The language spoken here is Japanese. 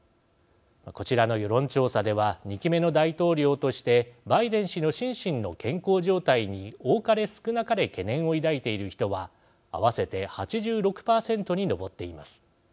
こちらの世論調査では２期目の大統領としてバイデン氏の心身の健康状態に多かれ少なかれ懸念を抱いている人は合わせて８６％に上っています。